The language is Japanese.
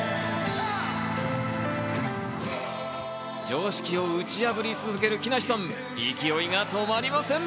常識を打ち破り続ける木梨さん、勢いが止まりません！